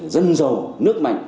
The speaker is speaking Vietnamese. dân giàu nước mạnh